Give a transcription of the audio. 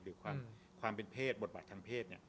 หรือความเป็นเพศบทบาททางเพศ